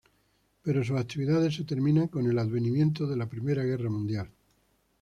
Pero sus actividades se terminan con el advenimiento de la Primera Guerra Mundial.